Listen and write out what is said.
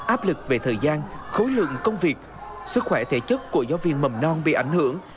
áp lực về thời gian khối lượng công việc sức khỏe thể chất của giáo viên mầm non bị ảnh hưởng